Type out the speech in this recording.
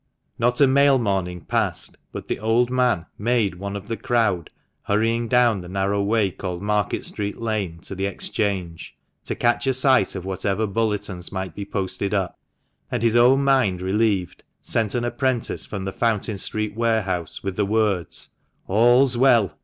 Not a mail morning passed but the old man made one of the crowd hurrying down the narrow way called Market street Lane to the Exchange, to catch a sight of whatever bulletins might be posted up; and, his own mind relieved, sent an apprentice from the Fountain Street warehouse with the words, "All's well!"